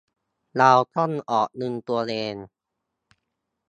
เราต้องออกเงินตัวเอง